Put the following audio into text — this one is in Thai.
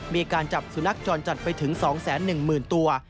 มีการจับสุนัขจรจัดไปถึง๒๑๐๐๐ตัว